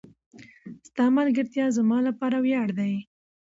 ستا ملګرتیا زما لپاره وياړ دی.